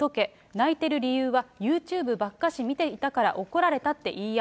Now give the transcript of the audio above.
泣いてる理由はユーチューブばっかし見ていたから怒られたって言いや。